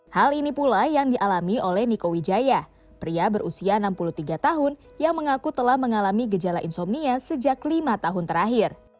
hal ini pula yang dialami oleh niko wijaya pria berusia enam puluh tiga tahun yang mengaku telah mengalami gejala insomnia sejak lima tahun terakhir